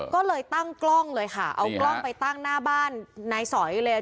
ก็เลยตั้งกล้องเลยค่ะเอากล้องไปตั้งหน้าบ้านนายสอยเลย